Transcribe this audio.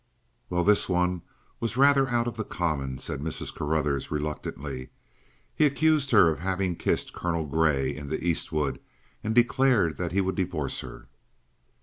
"Well, this one was rather out of the common," said Mrs. Carruthers reluctantly. "He accused her of having kissed Colonel Grey in the East wood and declared that he would divorce her."